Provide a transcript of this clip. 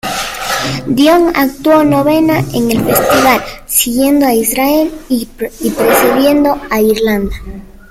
Dion actuó novena en el festival, siguiendo a Israel y precediendo a Irlanda.